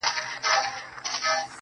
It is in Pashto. زه دې د سجود په انتهاء مئين يم